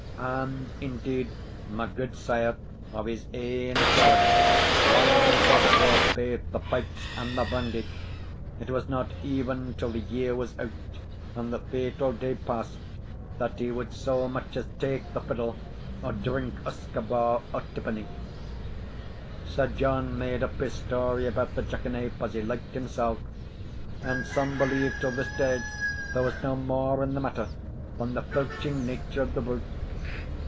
And, indeed, my gudesire, of his ain accord, lang forswore baith the pipes and the brandy it was not even till the year was out, and the fatal day past, that he would so much as take the fiddle or drink usquebaugh or tippenny. Sir John made up his story about the jackanape as he liked himsell; and some believe till this day there was no more in the matter than the filching nature of the brute.